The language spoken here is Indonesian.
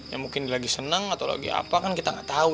ya mungkin lagi seneng atau lagi apa kan kita gak tau